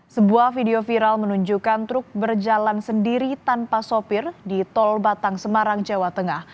sebuah video viral menunjukkan truk berjalan sendiri tanpa sopir di tol batang semarang jawa tengah